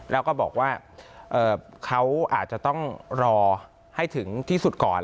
แล้วก็บอกว่าเขาอาจจะต้องรอให้ถึงที่สุดก่อน